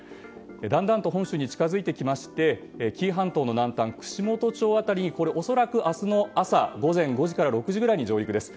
だんだんと本州に近づいてきまして紀伊半島の南端、串本町辺りに恐らく明日の朝午前６時から６時半ぐらいに上陸です。